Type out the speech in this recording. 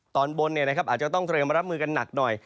ตอนบนอาจจะต้องเตรียมรับมือกันหนักหน่อย